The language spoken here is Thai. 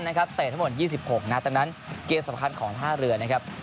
ตั้งแต่ทั้งหมด๒๖นะแต่งั้นเกมสำคัญของท่าเรือนนะครับ